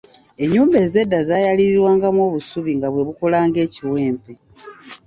Ennyumba ez'edda zaayalirirwangamu obusubi nga bwe bukola ng’ekiwempe.